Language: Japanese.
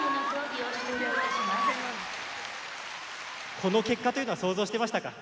この結果というのは想像してましたか？